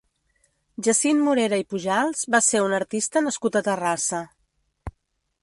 Jacint Morera i Pujals va ser un artista nascut a Terrassa.